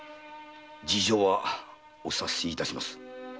事情はお察しいたします。